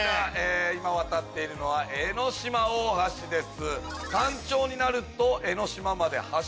今渡っているのは江の島大橋です。